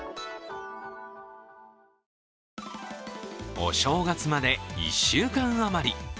お正月まで１週間余り。